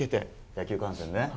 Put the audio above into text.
野球観戦ね。